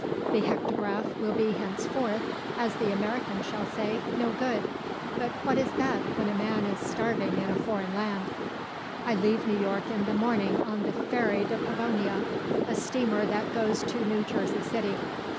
The hektograph will be henceforth, as the American shall say, no good, but what is that when a man is starving in a foreign land? "I leave New York in the morning on the Ferry de Pavonia, a steamer that goes to New Jersey City.